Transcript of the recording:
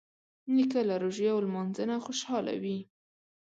نیکه له روژې او لمانځه نه خوشحاله وي.